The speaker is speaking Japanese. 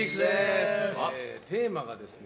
井ノ原：テーマがですね